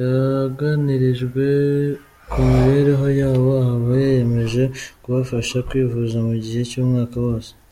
Yaganirijwe ku mibereho yabo ahava yiyemeje kubafasha kwivuza mu gihe cy’umwaka wose.